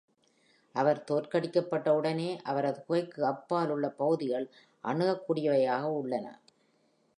அவர் தோற்கடிக்கப்பட்ட உடனே, அவரது குகைக்கு அப்பால் உள்ள பகுதிகள் அணுகக்கூடியவையாக உள்ளன.